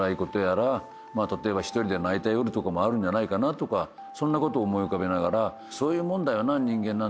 例えば１人で泣いた夜とかもあるんじゃないかなとかそんなことを思い浮かべながらそういうもんだよな人間なんて。